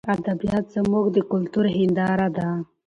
ادبیات زموږ د کلتور هنداره ده.